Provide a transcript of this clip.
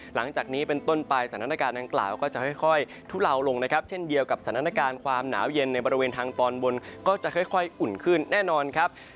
หลังจากนี้เป็นต้นไปสถานการณ์ดังกล่าวก็จะค่อยทุเลาลงนะครับเช่นเดียวกับสถานการณ์ความหนาวเย็นในบริเวณทางตอนบนก็จะค่อยอุ่นขึ้นแน่นอนครับ